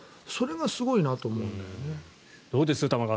それがすごいなと思うんだよね。